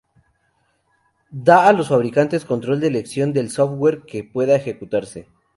da a los fabricantes control de elección del software que pueda ejecutarse